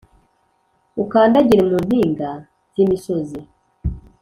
Ukandagire mu mpinga z’imisozi